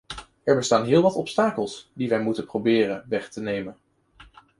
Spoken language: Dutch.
Er bestaan heel wat obstakels die wij moeten proberen weg te nemen.